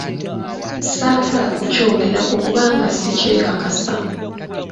Saagala kukyogerako kubanga sikyekakasa.